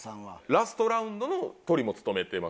ラストラウンドのトリも務めてますからね。